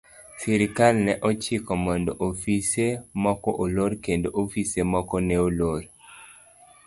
Sirkal ne ochiko mondo ofise moko olor kendo ofise moko ne olor.